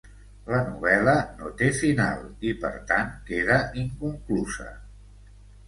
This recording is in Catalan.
La novel·la no té final i, per tant, queda inconclusa.